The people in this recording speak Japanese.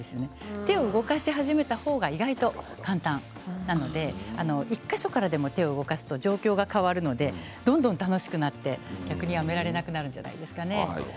手を動かし始めた方が意外と簡単なので１か所からでも手を動かすと状況が変わるのでどんどん楽しくなって逆にやめられなくなるんじゃないですかね。